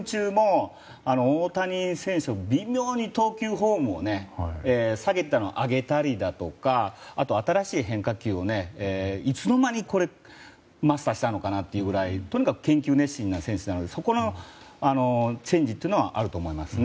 大谷選手は微妙に投球フォームを下げていたのを上げたりだとか新しい変化球をいつの間にマスターしたのかなというくらいとにかく研究熱心な選手なのでそこのチェンジはあると思います。